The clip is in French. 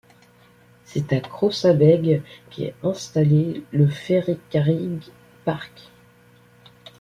C'est à Crossabeg qu'est installé le Ferrycarrig Park.